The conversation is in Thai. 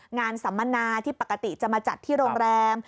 สัมมนาที่ปกติจะมาจัดที่โรงแรม